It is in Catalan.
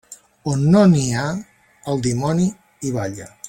On no n'hi ha, el dimoni hi balla.